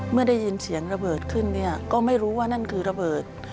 เมื่อได้ยินเสียงระเบิดขึ้นเนี่ยก็ไม่รู้ว่านั่นคือระเบิด